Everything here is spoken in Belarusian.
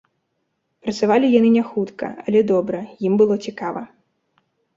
Працавалі яны не хутка, але добра, ім было цікава.